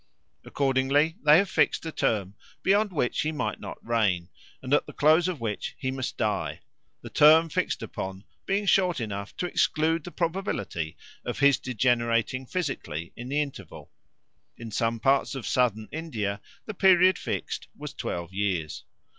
Accordingly, they have fixed a term beyond which he might not reign, and at the close of which he must die, the term fixed upon being short enough to exclude the probability of his degenerating physically in the interval. In some parts of Southern India the period fixed was twelve years.